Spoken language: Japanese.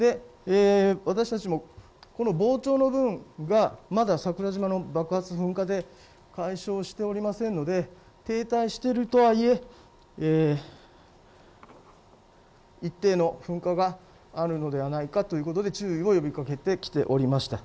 私たちもこの膨張の分がまだ桜島の爆発、噴火で解消しておりませんので停滞しているとはいえ一定の噴火があるのではないかということで注意を呼びかけてきておりました。